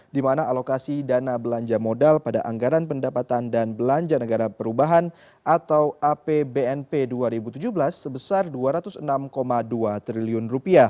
di mana alokasi dana belanja modal pada anggaran pendapatan dan belanja negara perubahan atau apbnp dua ribu tujuh belas sebesar rp dua ratus enam dua triliun